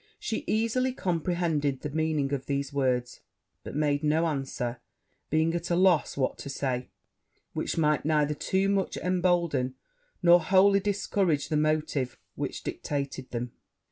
She easily comprehended the meaning of these words, but made no answer, being at loss what to say, which might neither too much embolden, nor wholly discourage, the motive which dictated them.